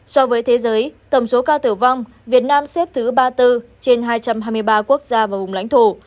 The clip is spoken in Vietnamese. so với thế giới tổng số ca tử vong việt nam xếp thứ ba mươi bốn trên hai trăm hai mươi ba quốc gia và vùng lãnh thổ